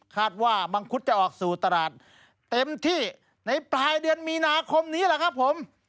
ว่ามังคุดจะออกสู่ตลาดเต็มที่ในปลายเดือนมีนาคมนี้แหละครับผม